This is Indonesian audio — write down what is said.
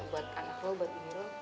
buat anak lo buat biniro